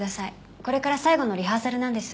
これから最後のリハーサルなんです。